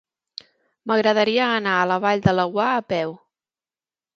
M'agradaria anar a la Vall de Laguar a peu.